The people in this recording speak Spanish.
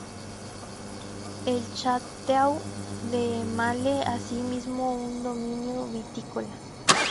El Château de Malle así mismo un dominio vitícola.